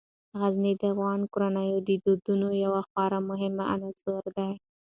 غزني د افغان کورنیو د دودونو یو خورا مهم عنصر دی.